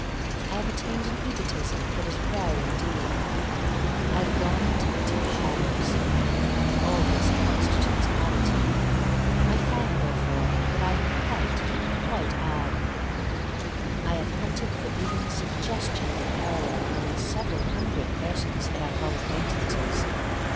I have attained an egotism that is rare indeed. I have gone into the deep shadows. All this constitutes oddity. I find, therefore, that I am quite, quite odd. I have hunted for even the sugges tion of a parallel among the several hundred persons that I call acquaint ances.